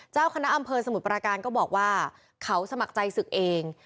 เจ้าคณะอำเภอสมุทรปราการก็บอกว่าเขาสมัครใจศึกเอง